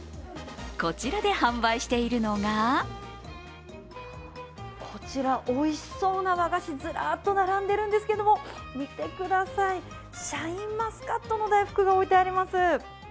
こちらで販売しているのがこちらおいしそうな和菓子、ずらっと並んでいるんですけれども、見てください、シャインマスカットの大福が置いてあります。